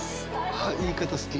あっ言い方好き。